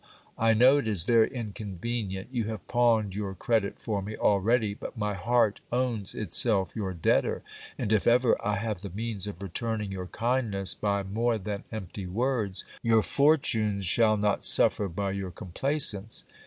I know it is very inconvenient ; you have pawned your credit for me already, but my heart owns itself your debtor ; and if ever I have the means of returning your kindness by more than empty words, your fortunes shall not suffer by your complaisance.